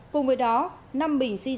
cùng với đó năm bình sinh